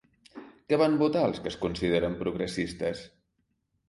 Què van votar els que es consideren progressistes?